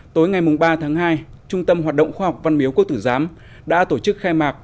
tối ngày ba tháng hai trung tâm hoạt động khoa học văn miếu quốc tử giám đã tổ chức khai mạc